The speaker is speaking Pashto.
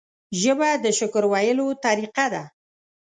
ژبه د شکر ویلو طریقه ده